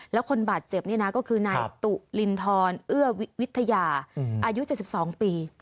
แล้วคนบาดเจ็บนี่นะก็คือนายตุลินทรเอื้อวิทยาอายุ๗๒ปี